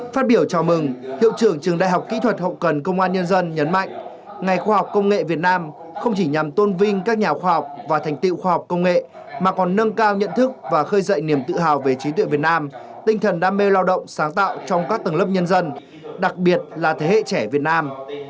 phát biểu chào mừng hiệu trưởng trường đại học kỹ thuật hậu cần công an nhân dân nhấn mạnh ngày khoa học công nghệ việt nam không chỉ nhằm tôn vinh các nhà khoa học và thành tiệu khoa học công nghệ mà còn nâng cao nhận thức và khơi dậy niềm tự hào về trí tuệ việt nam tinh thần đam mê lao động sáng tạo trong các tầng lớp nhân dân đặc biệt là thế hệ trẻ việt nam